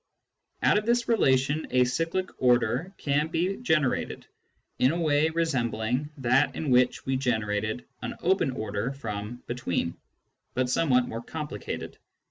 Out of this relation a cyclic order can be gen erated, in a way resembling that in which we generated an open order from " between," but somewhat more complicated.